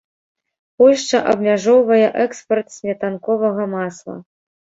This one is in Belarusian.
Польшча абмяжоўвае экспарт сметанковага масла.